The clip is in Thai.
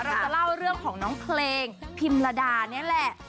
เราจะเล่าเรื่องของน้องเพลงพิมระดานี่แหละ